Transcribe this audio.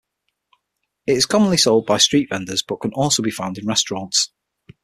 It is commonly sold by street vendors but can also be found in restaurants.